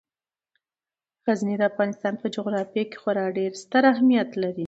غزني د افغانستان په جغرافیه کې خورا ډیر ستر اهمیت لري.